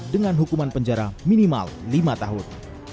dengan hukuman penjara minimal lima tahun